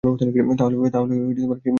তাহলে কি করেন আপনি?